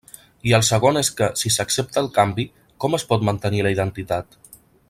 I el segon és que, si s'accepta el canvi, com es pot mantenir la identitat?